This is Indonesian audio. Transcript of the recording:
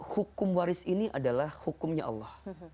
hukum waris ini adalah hukumnya allah